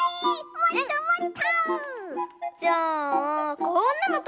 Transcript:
もっともっと！